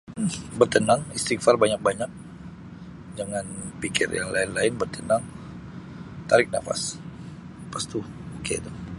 Bertenang, istighfar banyak-banyak, jangan pikir yang lain-lain, bertenang, tarik nafas lepas tu. [unintelligible]